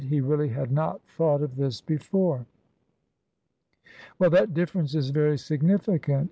He really had not thought of this before. "Well, that difference is very significant.